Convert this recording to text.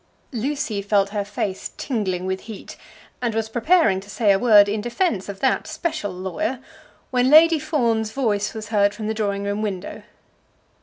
Lucy felt her face tingling with heat, and was preparing to say a word in defence of that special lawyer, when Lady Fawn's voice was heard from the drawing room window.